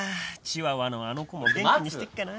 チワワのあの子も元気にしてっかな